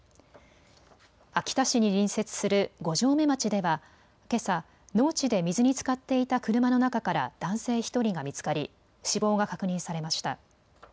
秋田市に隣接する五城目町ではけさ農地で水につかっていた車の中から男性１人が見つかり死亡が確認されました。